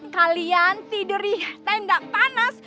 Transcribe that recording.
kalian tidur di tendak panas